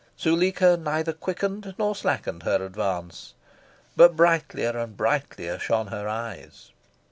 Zuleika neither quickened nor slackened her advance. But brightlier and brightlier shone her eyes.